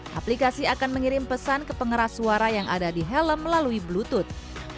aplikasi akan mengirim pesan ke pengeras suara yang ada di helm melalui bluetooth